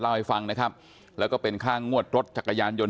เล่าให้ฟังนะครับแล้วก็เป็นค่างวดรถจักรยานยนต